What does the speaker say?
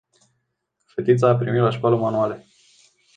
Fetița a primit la școală manuale.